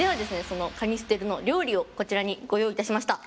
そのカニステルの料理をこちらにご用意いたしました。